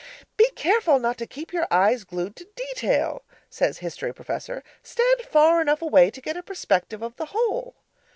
'Be careful not to keep your eyes glued to detail,' says History Professor. 'Stand far enough away to get a perspective of the whole.'